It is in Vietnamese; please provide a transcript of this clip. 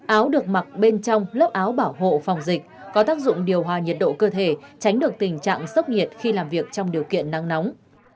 áo được mặc bên trong lớp áo bảo hộ phòng dịch có tác dụng điều hòa nhiệt độ cơ thể tránh được tình trạng sốc nhiệt khi làm việc trong điều kiện nắng nóng